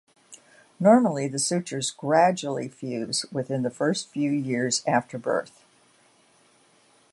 Normally the sutures gradually fuse within the first few years after birth.